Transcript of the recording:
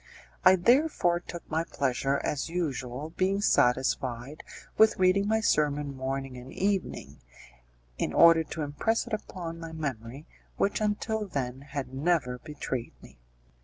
I therefore took my pleasure as usual, being satisfied with reading my sermon morning and evening, in order to impress it upon my memory which until then had never betrayed me.